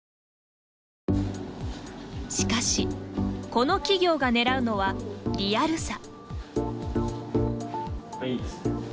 しかし、この企業が狙うのはリアルさ。